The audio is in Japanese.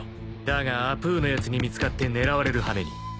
［だがアプーのやつに見つかって狙われる羽目に］